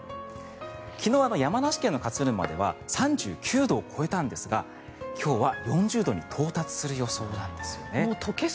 昨日、山梨県の勝沼では３９度を超えたんですが今日は４０度に到達する予想なんですね。